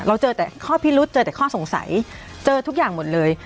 เจอแต่ข้อพิรุษเจอแต่ข้อสงสัยเจอทุกอย่างหมดเลย